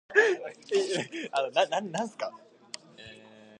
Her novel "La memoria dei corpi" (Mondadori) is translated in several Countries.